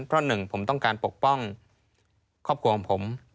เพราะหนึ่งผมต้องการปกป้องครอบครัวของผม